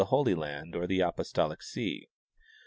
213 Holy Land or to the apostolic see.